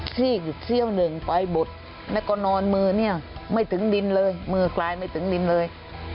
ซีกซี้ย่อเหล่งไตบดและก็นอนมือเคลายไม่ถึงดินเลย